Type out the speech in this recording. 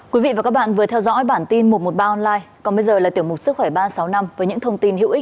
quý vị và các bạn vừa theo dõi bản tin một trăm một mươi ba online còn bây giờ là tiểu mục sức khỏe ba trăm sáu mươi năm với những thông tin hữu ích